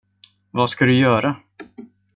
Vad ska du göra?